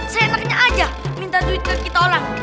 seenaknya aja minta duit ke kita orang